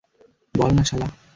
বল না, শালা!